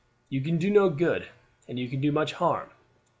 You can do no good and you can do much harm.